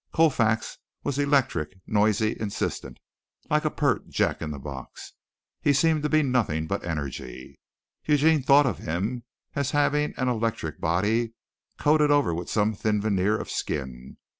Colfax was electric, noisy, insistent, like a pert jack in the box; he seemed to be nothing but energy. Eugene thought of him as having an electric body coated over with some thin veneer of skin.